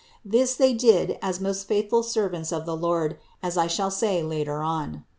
This they did as most faithful servants of the Lord, as I shall say later on (Nos.